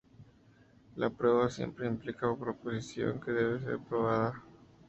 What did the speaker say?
La prueba siempre implica proposición que debe ser probada.